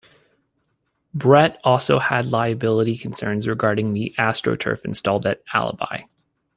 Brett also had liability concerns regarding the astroturf installed at Albi.